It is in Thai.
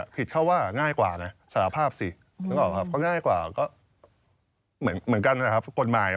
ผิดแค่ว่าง่ายกว่าสารภาพสินึกออกไม๊ง่ายกว่าก็เหมือนกันนะครับ